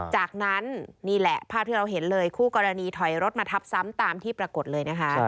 จากนั้นนี่แหละภาพที่เราเห็นเลยคู่กรณีถอยรถมาทับซ้ำตามที่ปรากฏเลยนะคะ